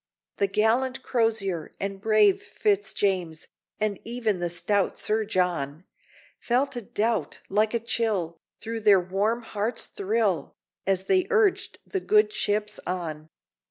The gallant Crozier, and brave Fitz James, And even the stout Sir John, Felt a doubt, like a chill, through their warm hearts thrill, As they urged the good ships on.